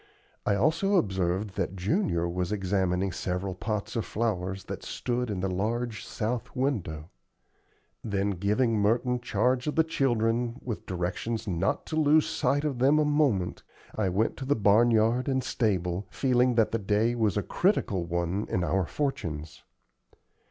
I also observed that Junior was examining several pots of flowers that stood in the large south window. Then giving Merton charge of the children, with directions not to lose sight of them a moment, I went to the barn yard and stable, feeling that the day was a critical one in our fortunes.